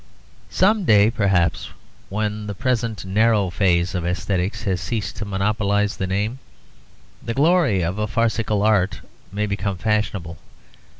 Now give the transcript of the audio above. Some day, perhaps, when the present narrow phase of aesthetics has ceased to monopolize the name, the glory of a farcical art may become fashionable.